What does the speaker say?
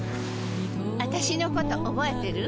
あたしのこと覚えてる？